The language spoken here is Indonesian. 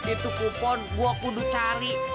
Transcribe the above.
itu kupon dua kudu cari